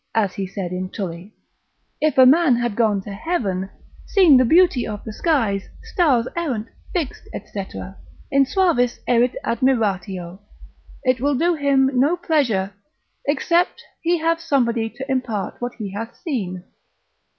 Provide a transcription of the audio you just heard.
as he said in Tully, if a man had gone to heaven, seen the beauty of the skies, stars errant, fixed, &c., insuavis erit admiratio, it will do him no pleasure, except he have somebody to impart what he hath seen.